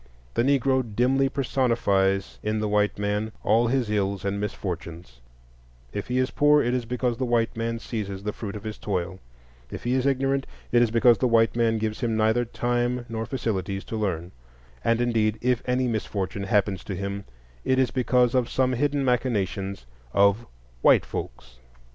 The Negro dimly personifies in the white man all his ills and misfortunes; if he is poor, it is because the white man seizes the fruit of his toil; if he is ignorant, it is because the white man gives him neither time nor facilities to learn; and, indeed, if any misfortune happens to him, it is because of some hidden machinations of "white folks."